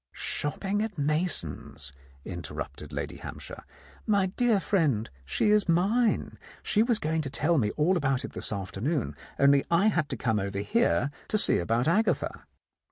"Shopping at Mason's," interrupted Lady Hampshire. "My dear friend, she is mine. She was going to tell me all about it this afternoon, only I had to come over here to see about Agatha."